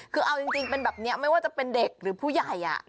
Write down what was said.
คือเอาจริงเป็นแบบนี้ไม่ว่าจะเป็นเด็กหรือผู้ใหญ่